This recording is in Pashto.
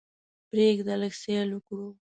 پریږده لږ سیل وکړو.